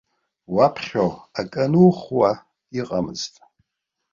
Уаԥхьо, акы анухуа иҟамызт.